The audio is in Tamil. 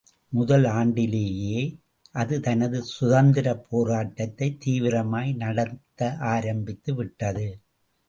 முதல் ஆண்டிலேயே அது தனது சுதந்திரப்போராட்டத்தை தீவிரமாய் நடத்த ஆரம்பித்து விட்டது.